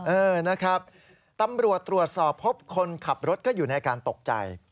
เออนะครับตำรวจตรวจสอบพบคนขับรถก็อยู่ในการตกใจ